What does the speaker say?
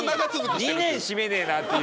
２年閉めねえなっていう。